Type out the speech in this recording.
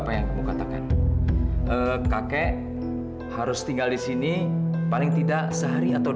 maaf pak tapi sekarang kami sedang istirahat